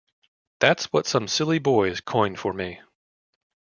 That's what some silly boys coined for me.